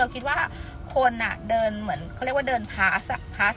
เราคิดว่าคนอะเดินเหมือนเขาเรียกว่าเดินพาสอะพาส